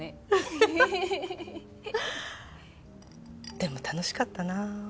でも楽しかったな。